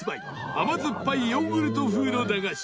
甘酸っぱいヨーグルト風の駄菓子